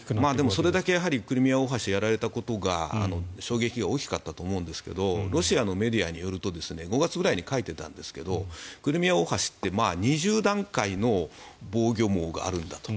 それだけクリミア大橋がやられたことが衝撃が大きかったと思うんですがロシアのメディアによると５月ぐらいに書いていたんですがクリミア大橋って２０段階の防御網があるんだと。